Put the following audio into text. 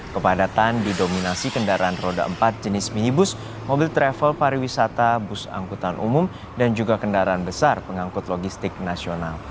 kepadatan didominasi kendaraan roda empat jenis minibus mobil travel pariwisata bus angkutan umum dan juga kendaraan besar pengangkut logistik nasional